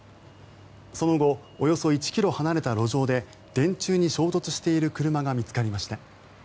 その後およそ１ｋｍ離れた路上で電柱に衝突している車が見つかりました。